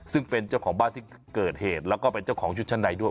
ซึ่งเป็นเจ้าของบ้านที่เกิดเหตุแล้วก็เป็นเจ้าของชุดชั้นในด้วย